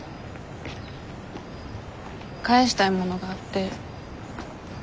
返したいものがあって。